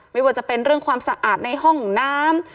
ไม่ว่าจะเป็นเรื่องความสะอาดในห้องน้ำ